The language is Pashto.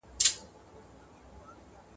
درد مي درته وسپړم څوک خو به څه نه وايي `